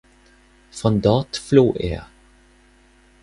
Von dort floh er.